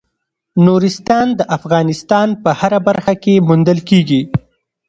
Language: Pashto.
نورستان د افغانستان په هره برخه کې موندل کېږي.